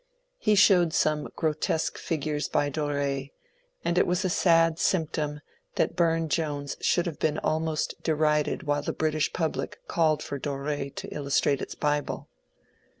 He showed some grotesque figures by Dor^, and said it was a sad symptom that Bume Jones should have been almost derided while the British public called for Dor£ to illustrate its Bible.